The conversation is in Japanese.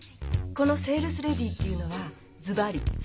このセールスレディーっていうのはずばり外回り。